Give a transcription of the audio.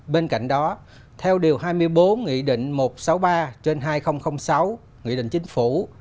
bên cạnh đó theo điều hai mươi bốn nghị định một trăm sáu mươi ba trên hai nghìn sáu nghị định chính phủ